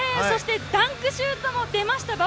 ダンクシュートも出ましたね。